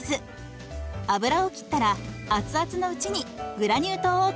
油を切ったら熱々のうちにグラニュー糖をからめます。